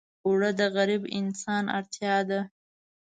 اوړه د غریب انسان اړتیا ده